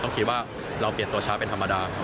คนต้องคิดว่าเราเปลี่ยนตัวช้าเป็นธรรมดา